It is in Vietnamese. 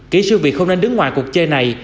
kỹ sư việt không nên đứng ngoài cuộc chơi này